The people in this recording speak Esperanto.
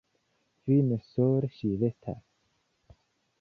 Fine sole ŝi restas.